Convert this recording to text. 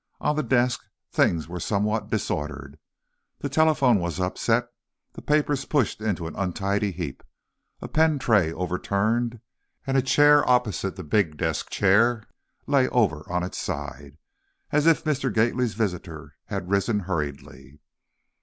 On the desk, things were somewhat disordered. The telephone was upset, the papers pushed into an untidy heap, a pen tray overturned, and a chair opposite the big desk chair lay over on its side, as if Mr. Gately's visitor had risen hurriedly.